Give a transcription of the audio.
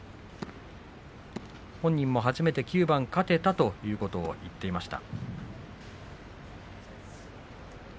本人も初めて９番勝てたということを言っていました。